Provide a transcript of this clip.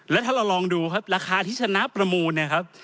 แล้วถ้าเราลองดูครับราคาที่ชนะประมูลเนี่ยครับ